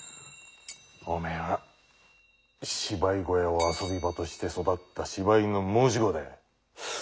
おめえは芝居小屋を遊び場として育った芝居の申し子だ。